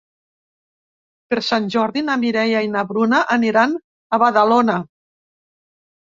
Per Sant Jordi na Mireia i na Bruna aniran a Badalona.